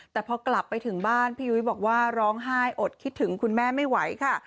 แต่พอกลับไปถึงบ้านพี่ยุ้ยบอกว่าร้องไห้อดคิดถึงคุณแม่ไม่ไหวค่ะ